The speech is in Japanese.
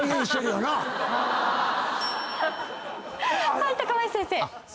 はい高林先生。